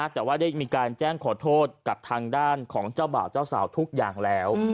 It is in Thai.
แต่ว่าได้มีการแจ้งขอโทษกับทางด้านของเจ้าบ่าวเจ้าสาวทุกอย่างแล้ว